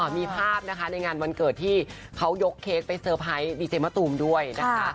มีภาพนะคะในงานวันเกิดที่เขายกเค้กไปเซอร์ไพรส์ดีเจมะตูมด้วยนะคะ